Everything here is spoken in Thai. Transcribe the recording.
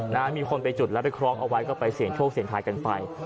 นะฮะมีคนไปจุดแล้วไปคล้องเอาไว้ก็ไปเสี่ยงโชคเสียงทายกันไป